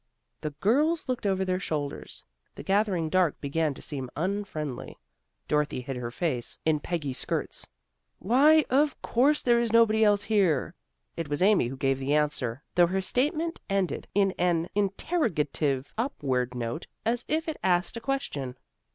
The girls looked over their shoulders. The gathering dark began to seem unfriendly. Dorothy hid her face in Peggy's skirts. "Why, of course there is nobody else here." It was Amy who gave the answer, though her statement ended in an interrogative upward note as if it asked a question.